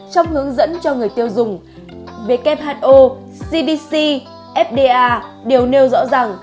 trong hướng dẫn cho người tiêu dùng who cdc fda đều nêu rõ rằng